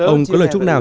ông có lời chúc nào